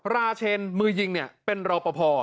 ราเชนมือยิงเป็นรอประพอ